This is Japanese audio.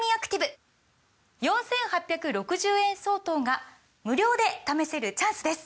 ４，８６０円相当が無料で試せるチャンスです！